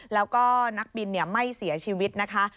แล้วก็นักบินไม่เสียชีวิตนะคะ